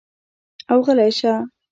او غلے شۀ ـ